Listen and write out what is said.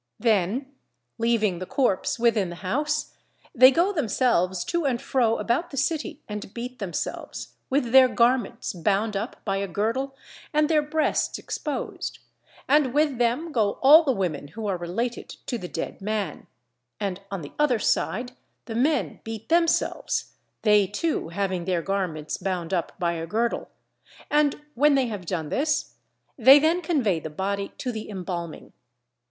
Then leaving the corpse within the house they go themselves to and fro about the city and beat themselves, with their garments bound up by a girdle and their breasts exposed, and with them go all the women who are related to the dead man, and on the other side the men beat themselves, they too having their garments bound up by a girdle; and when they have done this, they then convey the body to the embalming.